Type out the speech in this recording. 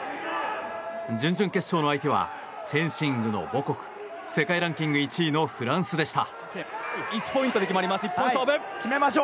準々決勝の相手はフェンシングの母国世界ランキング１位のフランスでした。